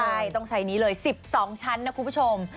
ใช่ต้องใช้นี้เลย๑๒ชั้นนะคุณผู้ชม